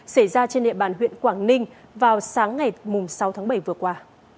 xảy ra trên địa bàn huyện quảng ninh vào sáng ngày sáu tháng bảy vừa qua